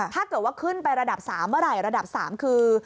ถ้าเกิดว่าขึ้นไประดับ๓เมื่อไหร่ระดับ๓คือ